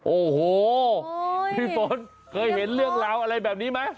โอ้โหพี่ฝนเคยเห็นเรื่องราวอะไรแบบนี้ไหม